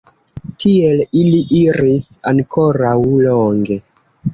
Tiel ili iris ankoraŭ longe.